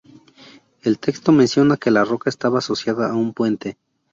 El texto menciona que la roca estaba asociada a un puente.